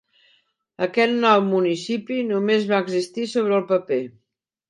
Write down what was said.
Aquest nou municipi només va existir sobre el paper.